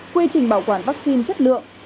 quy trình bảo quản vaccine chất lượng